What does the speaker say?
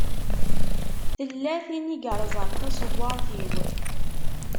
Tella tin i yeṛẓan taṣewwaṛt-iw.